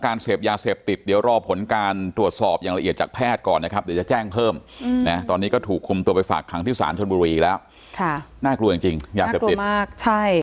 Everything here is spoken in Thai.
กับเมียเขาอะไรอย่างนี้